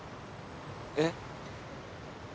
えっ？